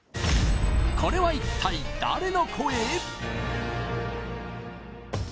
これは一体誰の声？